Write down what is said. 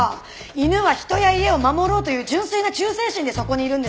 犬は人や家を守ろうという純粋な忠誠心でそこにいるんです。